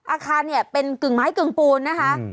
อาคารเนี่ยเป็นกึ่งไม้กึ่งปูนนะคะ